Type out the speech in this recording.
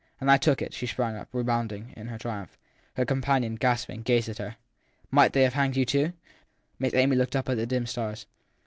And I took it. She sprang up, rebounding, in her triumph. Her companion, gasping, gazed at her. Might they have hanged you too ? Miss Amy looked up at the dim stars.